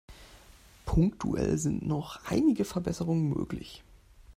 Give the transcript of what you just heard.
Punktuell sind noch einige Verbesserungen möglich.